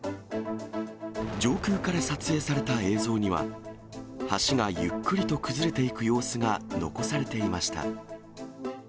上空から撮影された映像には、橋がゆっくりと崩れていく様子が残されていました。